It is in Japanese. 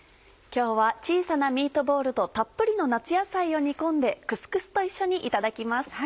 今日は小さなミートボールとたっぷりの夏野菜を煮込んでクスクスと一緒にいただきます。